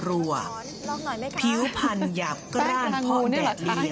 ลองหน่อยไหมคะแป้งตรางูนี่เหรอคะพิวพันหยับกล้านพอแดดเหลี่ย